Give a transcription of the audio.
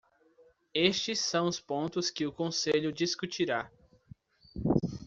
Estes são os pontos que o Conselho discutirá.